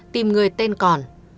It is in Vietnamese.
tìm người tên còn